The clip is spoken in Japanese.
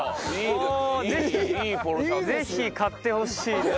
ぜひ買ってほしいです。